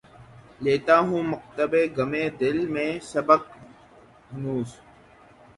لیتا ہوں مکتبِ غمِ دل میں سبق ہنوز